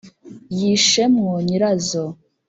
yishe mwo nyirazo,